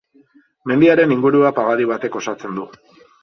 Mendiaren ingurua pagadi batek osatzen du.